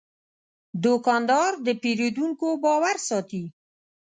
دوکاندار د پیرودونکو باور ساتي.